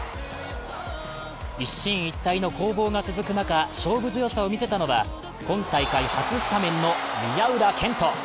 一進一退の攻防が続く中、勝負強さを見せたのは今大会初スタメンの宮浦健人。